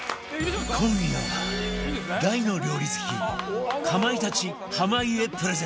今夜は大の料理好きかまいたち濱家プレゼンツ